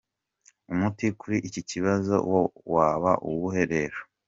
Umuti kuri iki kibazo waba uwuhe rero ?.